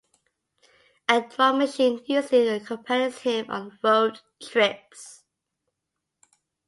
A drum machine usually accompanies him on road trips.